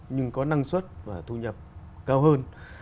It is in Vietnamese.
nhưng có năng suất và thu nhập cao hơn